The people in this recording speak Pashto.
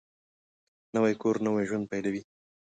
نوی کور نوی ژوند پېلوي